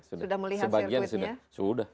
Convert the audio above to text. sudah melihat sirkuitnya